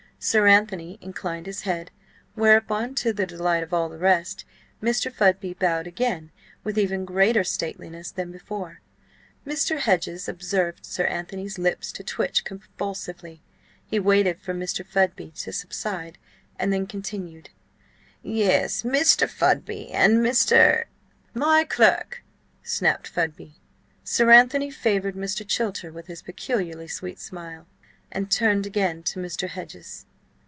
Sir Anthony inclined his head, whereupon, to the delight of all the rest, Mr. Fudby bowed again with even greater stateliness than before. Mr. Hedges observed Sir Anthony's lips to twitch convulsively. He waited for Mr. Fudby to subside, and then continued: "Yes–Mr. Fudby and Mr.—" "My clerk!" snapped Fudby. Sir Anthony favoured Mr. Chilter with his peculiarly sweet smile, and turned again to Mr. Hedges.